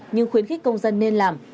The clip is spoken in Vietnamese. nhưng khuyến khích công dân nên làm